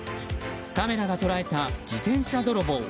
カメラが捉えた自転車泥棒。